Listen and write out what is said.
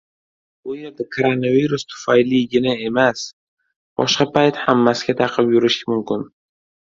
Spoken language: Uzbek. . Bu yerda koronavirus tufayligina emas, boshqa payt ham maska taqib yurish mumkin.